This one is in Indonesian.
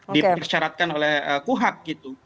dipersyaratkan oleh kuhak gitu